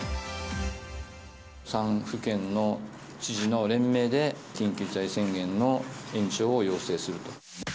３府県の知事の連名で緊急事態宣言の延長を要請すると。